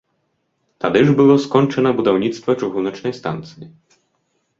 Тады ж было скончана будаўніцтва чыгуначнай станцыі.